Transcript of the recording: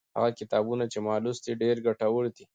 هغه کتابونه چې ما لوستي، ډېر ګټور دي.